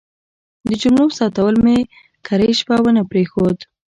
د جملو ثبتول مې کرۍ شپه ونه پرېښود.